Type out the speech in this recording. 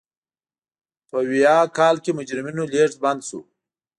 په ویاه کال کې مجرمینو لېږد بند شو.